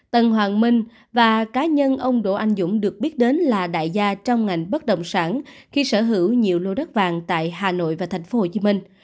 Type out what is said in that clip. tân hoàng minh và cá nhân ông đỗ anh dũng được biết đến là đại gia trong ngành bất động sản khi sở hữu nhiều lô đất vàng tại hà nội và thành phố hồ chí minh